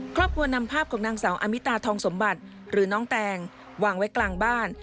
ครอบครัวนำภาพของนางสาวอามิตาทองสมบัติหรือน้องแตงวางไว้กลางบ้าน